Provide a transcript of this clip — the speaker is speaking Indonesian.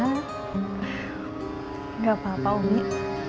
tidak apa apa umi